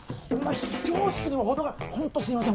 非常識にもほどがあるホントすいません